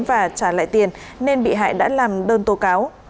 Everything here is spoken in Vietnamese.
và trả lại tiền nên bị hại đã làm đơn tố cáo